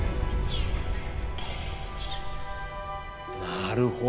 なるほど。